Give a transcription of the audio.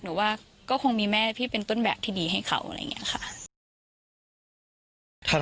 หนูว่าก็คงมีแม่พี่เป็นต้นแบบที่ดีให้เขา